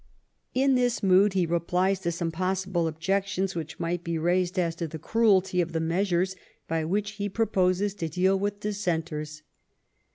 In this mood he replies to some possible objections which might be raised as to the cruelty of the measures by which he proposes to deal with Dissenters.